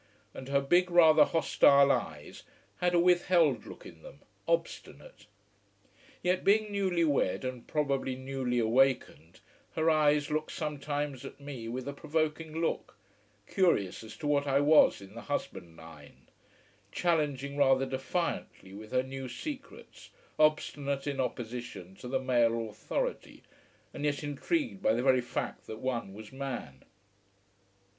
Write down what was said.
And her big, rather hostile eyes had a withheld look in them, obstinate. Yet, being newly wed and probably newly awakened, her eyes looked sometimes at me with a provoking look, curious as to what I was in the husband line, challenging rather defiantly with her new secrets, obstinate in opposition to the male authority, and yet intrigued by the very fact that one was man.